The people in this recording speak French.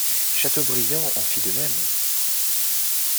Chateaubriand en fit de même.